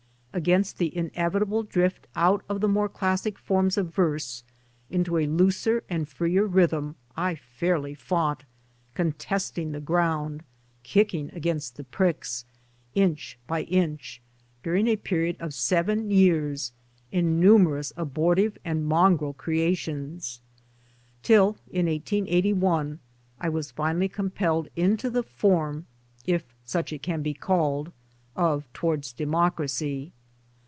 Against the inevitable drift out of the more classic forms of verse into a looser and freer rhythm I fairly fought, contesting the ground ("kicking against the pricks ") inch by inch during a period of seven years in numerous abortive and mongrel creations — till in 1881 I was finally compelled into the form (if such it can be called) of "Towards Democracy."